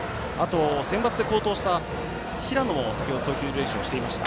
センバツで好投をした平野も投球練習をしていました。